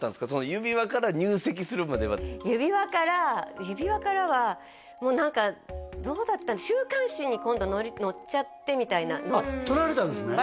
指輪から入籍するまでは指輪から指輪からはもう何かどうだった週刊誌に今度載っちゃってみたいな撮られたんですね